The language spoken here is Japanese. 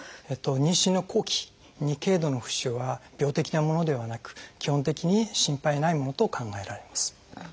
妊娠の後期に軽度の浮腫は病的なものではなく基本的に心配ないものと考えられます。